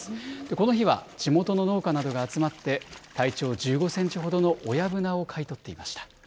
この日は地元の農家などが集まって、体長１５センチほどの親ブナを買い取っていました。